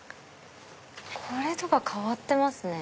これとか変わってますね